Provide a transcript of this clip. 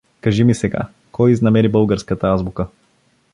Кажи ми сега, кой изнамери българската азбука?